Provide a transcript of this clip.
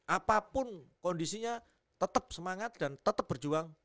apapun kondisinya tetap semangat dan tetap berjuang